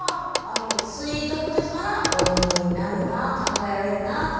スイートポテトならお芋になるな考えられるなとか。